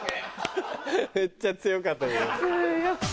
めっちゃ強かったけど。